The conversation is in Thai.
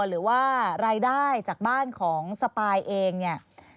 หรือว่ารายได้จากบ้านของสปายเองเนี่ย